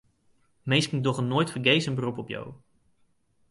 Minsken dogge noait fergees in berop op jo.